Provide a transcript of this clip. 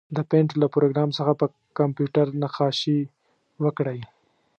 د پېنټ له پروګرام څخه په کمپیوټر نقاشي وکړئ.